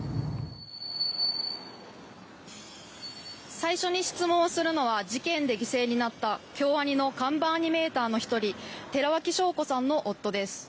最初に質問をするのは事件で犠牲になった京アニの看板アニメーターの１人寺脇晶子さんの夫です。